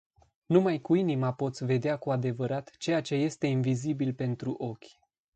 Numai cu inima poți vedea cu adevărat ceea ce este invizibil pentru ochi.